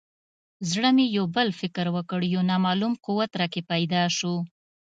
زړه مې یو بل فکر وکړ یو نامعلوم قوت راکې پیدا شو.